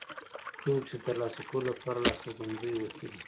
څوک چې د ترلاسه کولو لپاره له استوګنځیو وتلي.